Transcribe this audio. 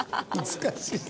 難しい。